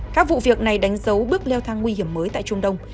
các vụ việc này đánh dấu bước leo thang nguy hiểm mới tại trung đông